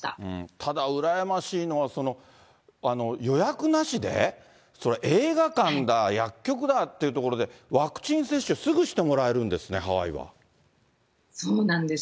ただ羨ましいのは、予約なしで、映画館だ、薬局だっていう所で、ワクチン接種すぐしてもらえるんですね、ハそうなんです。